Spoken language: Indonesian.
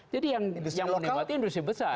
jadi yang menikmati industri besar